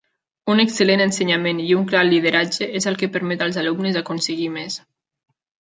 Un excel·lent ensenyament i un clar lideratge és el que permet als alumnes aconseguir més.